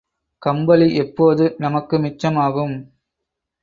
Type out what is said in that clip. கம்பளி எப்போது நமக்கு மிச்சம் ஆகும்?